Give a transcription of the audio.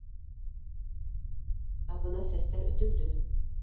— Ә бына сәстәр өтөлдө